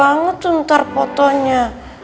cantik banget tuh ntar fotonya